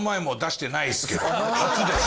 初です。